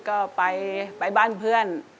ก็ไปบ้านเพื่อน